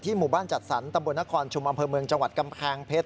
หมู่บ้านจัดสรรตำบลนครชุมอำเภอเมืองจังหวัดกำแพงเพชร